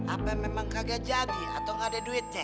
apa memang kaget jadi atau gak ada duit ya